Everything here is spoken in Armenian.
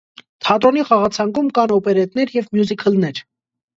Թատրոնի խաղացանկում կան օպերետներ և մյուզիքլներ։